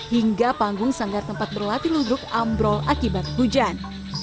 hingga panggung sanggar tempat berlatih ludruk ambrol akibat hujan